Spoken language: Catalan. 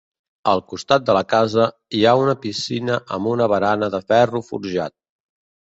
Al costat de la casa, hi ha una piscina amb una barana de ferro forjat.